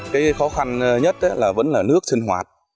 cái khó khăn nhất là vẫn là nước sinh hoạt